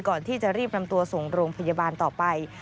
ก่อนที่จะรีบนำตัวส่งโรงพยาบาลต่อไป